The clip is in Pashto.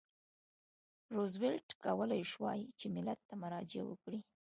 روزولټ کولای شوای چې ملت ته مراجعه وکړي.